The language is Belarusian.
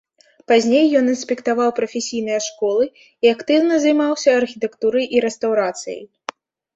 Пазней ён інспектаваў прафесійныя школы і актыўна займаўся архітэктурай і рэстаўрацыяй.